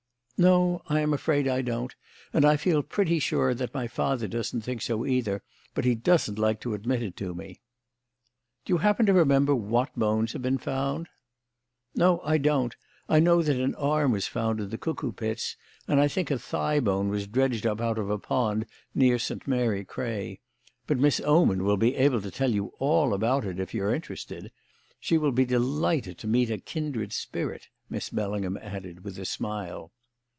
"No, I am afraid I don't; and I feel pretty sure that my father doesn't think so either, but he doesn't like to admit it to me." "Do you happen to remember what bones have been found?" "No, I don't. I know that an arm was found in the Cuckoo Pits, and I think a thigh bone was dredged up out of a pond near St. Mary Cray. But Miss Oman will be able to tell you all about it, if you are interested. She will be delighted to meet a kindred spirit," Miss Bellingham added, with a smile.